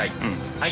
はい。